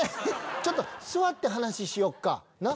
ちょっと座って話しよっかなっ。